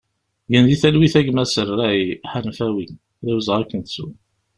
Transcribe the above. Gen di talwit a gma Serray Ḥafnawi, d awezɣi ad k-nettu!